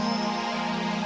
gue cari amira dimana ya